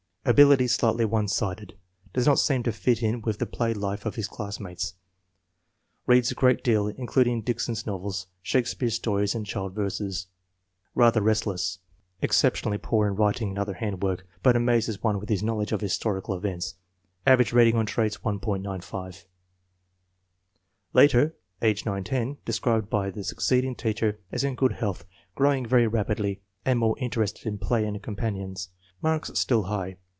Ability slightly one sided. Does not seem to fit in with the play life of his classmates. Beads a great deal, including Dickens's novels, Shakespeare stories and child verses. Rather restless. " Exceptionally poor in writing and other handwork, but amazes one with his knowledge of historical events." Average rating on traits, 1.95. Later, age 9 10. Described by the succeeding teacher as in good health, growing very rapidly and more interested in play and companions. Marks still high.